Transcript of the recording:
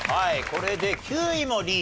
これで９位もリーチと。